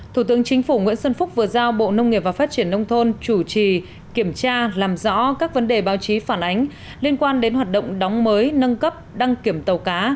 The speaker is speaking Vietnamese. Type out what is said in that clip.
thủ tướng chính phủ nguyễn xuân phúc vừa giao bộ nông nghiệp và phát triển nông thôn chủ trì kiểm tra làm rõ các vấn đề báo chí phản ánh liên quan đến hoạt động đóng mới nâng cấp đăng kiểm tàu cá